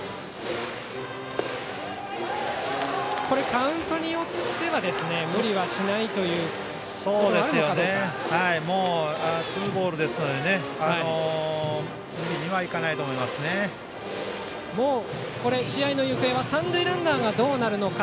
カウントによっては無理はしないということもあるでしょうか。